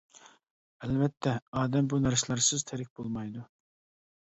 ئەلۋەتتە ئادەم بۇ نەرسىلەرسىز تىرىك بولمايدۇ.